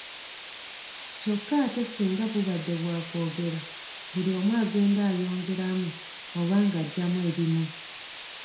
Kyokka ate singa bubadde bwa kwogera buli omu agenda ayongeramu oba nga aggyamu ebimu.